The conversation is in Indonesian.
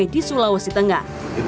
di sulawesi tengah dan tengah